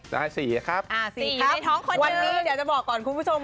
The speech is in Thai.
สี่ครับสี่ครับวันนี้อยากจะบอกก่อนคุณผู้ชม